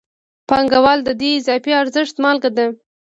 پانګوال د دې اضافي ارزښت مالک دی